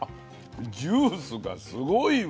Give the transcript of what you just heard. ジュースがすごいわ。